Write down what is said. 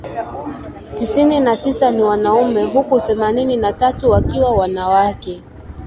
tisini na tisa ni wanaume huku themanini na tatu wakiwa wanawake